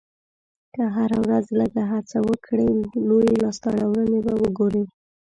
که هره ورځ لږه هڅه هم وکړې، لویې لاسته راوړنې به وګورې.